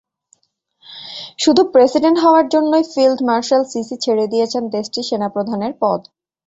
শুধু প্রেসিডেন্ট হওয়ার জন্যই ফিল্ড মার্শাল সিসি ছেড়ে দিয়েছেন দেশটির সেনাপ্রধানের পদ।